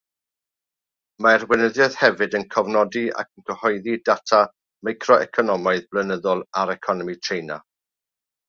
Mae'r weinyddiaeth hefyd yn cofnodi ac yn cyhoeddi data macroeconomaidd blynyddol ar economi Tsieina.